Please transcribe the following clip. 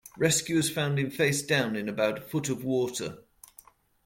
Rescuers found him face down in about a foot of water.